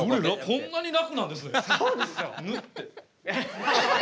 こんなに楽なんですね。